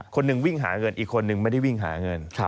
คนหนึ่งวิ่งหาเงินอีกคนนึงไม่ได้วิ่งหาเงิน